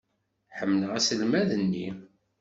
Ḥemmleɣ aselmad-nni.